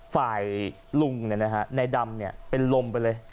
ฝ่ายลุงในดำเป็นลมไปเลย